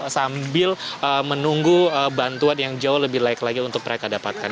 sambil menunggu bantuan yang jauh lebih layak lagi untuk mereka dapatkan